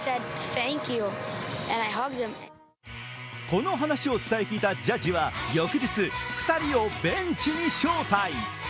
この話を伝え聞いたジャッジは翌日、２人をベンチに招待。